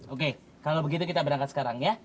oke kalau begitu kita berangkat sekarang ya